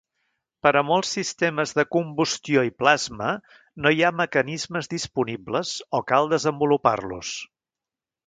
Per a molts sistemes de combustió i plasma, no hi ha mecanismes disponibles o cal desenvolupar-los.